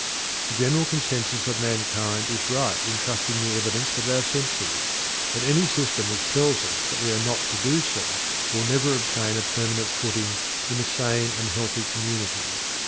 The general consensus of mankind is right in trusting the evidence of our senses, and any system which tells us that we are not to do so will never obtain a permanent footing in a sane and healthy community.